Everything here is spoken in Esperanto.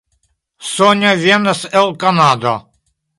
Sonja venas el Kanado.